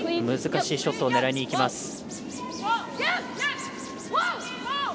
難しいショットを狙いにいきます。